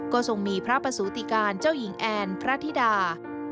ก็ทรงมีพระประสูติการเจ้าหญิงแอนพระธิดา